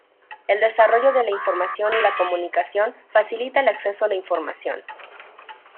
El desarrollo de la información y la comunicación facilita el acceso a la información.